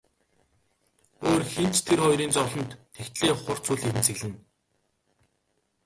Өөр хэн ч тэр хоёрын зовлонд тэгтлээ хурц үл эмзэглэнэ.